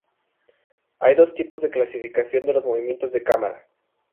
Hay dos tipos de clasificación de los movimientos de cámara.